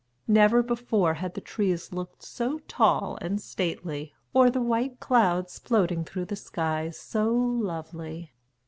Never before had the trees looked so tall and stately, or the white clouds floating through the sky so lovely.